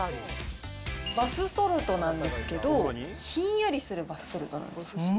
バスソルトなんですけど、ひんやりするバスソルトなんです。